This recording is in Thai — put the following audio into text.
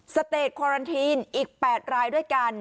สเตจควารันทีนอีก๘รายด้วยกัน